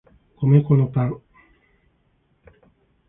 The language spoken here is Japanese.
米粉のパン